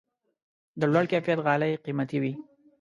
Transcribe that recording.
د لوړ کیفیت غالۍ قیمتي وي.